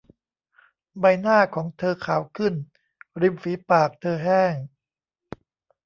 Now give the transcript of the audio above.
ใบหน้าของเธอขาวขึ้น ริมฝีปากเธอแห้ง